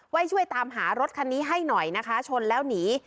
ช่วยตามหารถคันนี้ให้หน่อยนะคะชนแล้วหนี